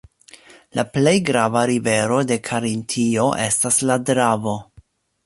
La plej grava rivero de Karintio estas la Dravo.